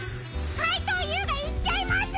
かいとうＵがいっちゃいます！